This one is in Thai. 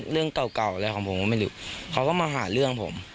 เรื่องเก่าเก่าอะไรของผมก็ไม่รู้เขาก็มาหาเรื่องผม